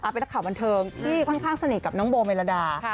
เป็นนักข่าวบันเทิงที่ค่อนข้างสนิทกับน้องโบเมลดา